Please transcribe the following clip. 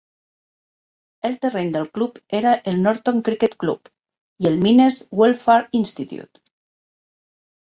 El terreny del club era el Norton Cricket Club i el Miners Welfare Institute.